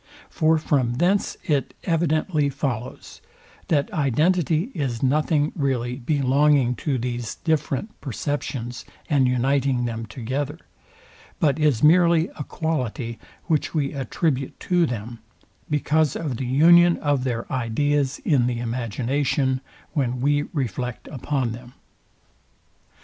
For from thence it evidently follows, that identity is nothing really belonging to these different perceptions, and uniting them together; but is merely a quality, which we attribute to them, because of the union of their ideas in the imagination, when we reflect upon them.